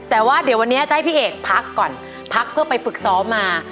แต่ว่าเดี๋ยววันนี้จะให้พี่เอกพักก่อนพักเพื่อไปฝึกซ้อมมา